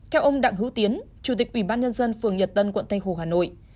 theo ông đặng hữu tiến chủ tịch ubnd phường nhật tân quận tây hồ hà nội